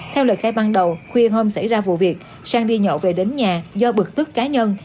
theo lời khai ban đầu khuya hôm xảy ra vụ việc sang đi nhậu về đến nhà do bực tức cá nhân